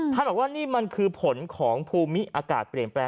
บอกว่านี่มันคือผลของภูมิอากาศเปลี่ยนแปลง